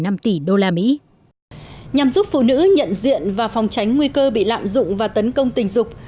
nhằm giúp phụ nữ nhận diện và phòng tránh nguy cơ bị lạm dụng và tấn công tình dục